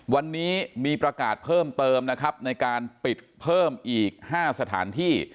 วันนี้มีประกาศเพิ่มเติมนะครับในการปิดเพิ่มอีก๕สถานที่